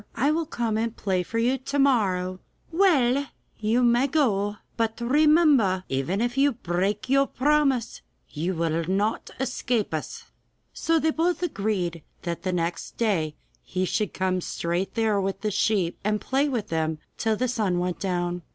I will come and play for you to morrow.' 'Well, you may go!' they said, 'but remember that even if you break your promise you will not escape us.' So they both agreed that the next day he should come straight there with the sheep, and play to them till the sun went down.